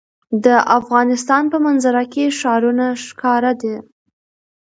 د افغانستان په منظره کې ښارونه ښکاره ده.